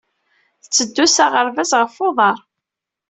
Itteddu s aɣerbaz ɣef uḍar.